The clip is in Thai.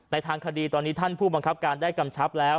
ทางคดีตอนนี้ท่านผู้บังคับการได้กำชับแล้ว